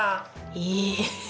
え！